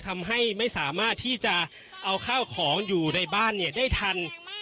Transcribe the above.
ทำให้ไม่สามารถที่จะเอาข้าวของอยู่ในบ้านเนี่ยได้ทัน